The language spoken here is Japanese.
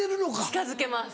近づけます。